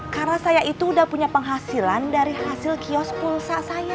karena saya itu udah punya penghasilan dari hasil kios pulsa saya